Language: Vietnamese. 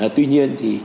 tuy nhiên thì